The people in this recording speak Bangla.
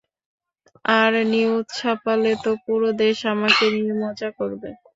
আর নিউজ ছাপালে তো পুরো দেশ আমাকে নিয়ে মজা করবে।